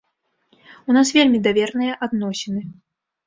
У нас вельмі даверныя адносіны.